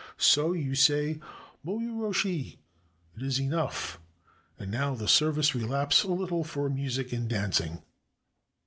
So you say Mo yoroshii — "It is enough!" — and now the service relapses a little for music and dancing.